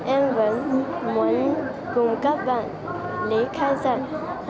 em vẫn muốn cùng các bạn lấy khai giảng